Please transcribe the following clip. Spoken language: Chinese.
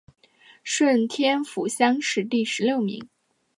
顺天府乡试第十六名。